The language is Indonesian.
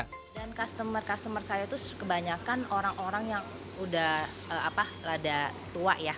dan customer customer saya itu kebanyakan orang orang yang udah rada tua ya